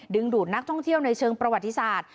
ดูดนักท่องเที่ยวในเชิงประวัติศาสตร์